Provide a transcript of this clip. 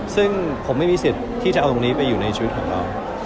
ซึ่งผมไม่มีสิทธิ์ที่จะเอาตรงนี้ไปอยู่ในชีวิตของเรา